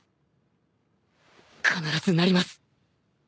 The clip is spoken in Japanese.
必ずなります。